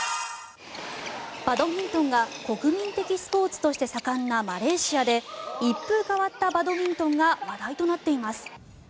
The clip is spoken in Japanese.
バドミントンが国民的スポーツとして盛んなマレーシアで一風変わったバドミントンが話題となっています。